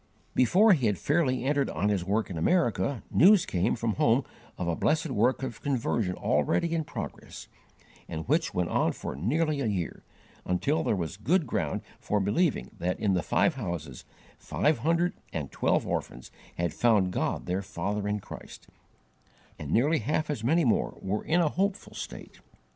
Before he had fairly entered on his work in America, news came from home of a blessed work of conversion already in progress, and which went on for nearly a year, until there was good ground for believing that in the five houses five hundred and twelve orphans had found God their Father in Christ, and nearly half as many more were in a hopeful state.